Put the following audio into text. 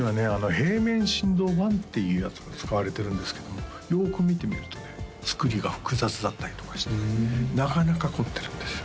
平面振動板っていうやつが使われてるんですけどもよく見てみるとね作りが複雑だったりとかしてなかなか凝ってるんですよ